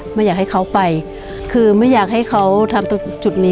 ไม่อยากให้เขาไปคือไม่อยากให้เขาทำตรงจุดนี้